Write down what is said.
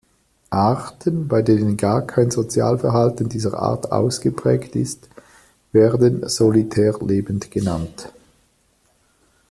Arten, bei denen gar kein Sozialverhalten dieser Art ausgeprägt ist, werden solitär lebend genannt.